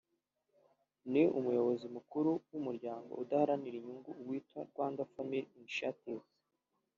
ni n’Umuyobozi Mukuru w’Umuryango udaharanira inyungu witwa Rwanda Family Initiative